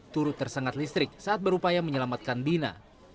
turut tersengat listrik saat berupaya menyelamatkan dina